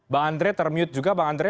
bang andre termute juga bang andre